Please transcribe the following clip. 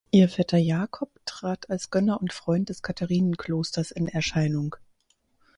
Ihr Vetter Jakob trat als Gönner und Freund des Katharinenklosters in Erscheinung.